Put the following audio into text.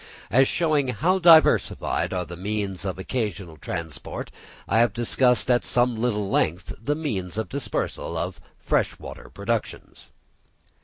As showing how diversified are the means of occasional transport, I have discussed at some little length the means of dispersal of fresh water productions.